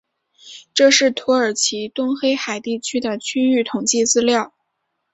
这是土耳其东黑海地区的区域统计资料。